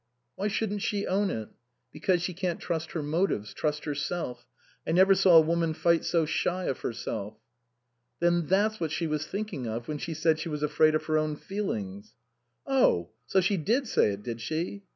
Why shouldn't she own it?" " Because she can't trust her motives, trust herself. I never saw a woman fight so shy of herself." " Then that's what she was thinking of when she said she was afraid of her own feelings." " Oh ! So she did say it, did she